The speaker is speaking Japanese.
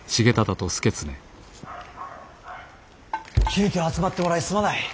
急きょ集まってもらいすまない。